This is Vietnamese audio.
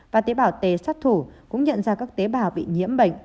và tế bào tề sát thủ cũng nhận ra các tế bào bị nhiễm bệnh